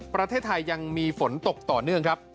ประเทศไทยยังมีฝนตกต่อเนื่องครับ